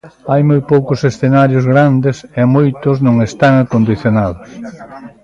Hai moi poucos escenarios grandes e moitos non están acondicionados.